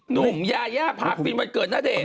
หนุ่มย่าผากวีดวันเกิดนาเดชน์